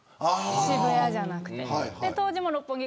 渋谷じゃなくて。